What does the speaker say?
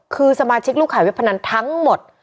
คือสมาชิกลูกขายเว็บพนันทั้งหมด